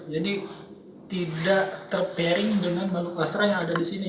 jadi tidak terpiring dengan melukasra yang ada di sini